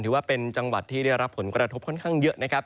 ถือว่าเป็นจังหวัดที่ได้รับผลกระทบค่อนข้างเยอะนะครับ